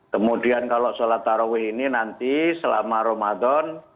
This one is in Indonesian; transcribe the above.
kemudian kalau sholat tarawih ini nanti selama ramadan